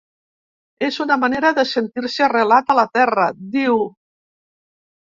“És una manera de sentir-se arrelat a la terra”, diu.